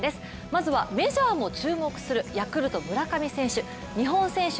まずはメジャーも注目するヤクルト・村上選手。